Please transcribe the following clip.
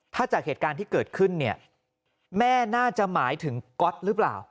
ถ้าจากเหตุการณ์ที่เกิดขึ้นเนี่ยแม่น่าจะหมายถึงก๊อตหรือเปล่า